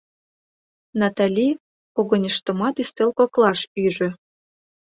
— Натали когыньыштымат ӱстел коклаш ӱжӧ.